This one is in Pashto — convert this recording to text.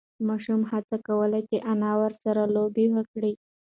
ماشوم هڅه کوله چې انا ورسره لوبه وکړي.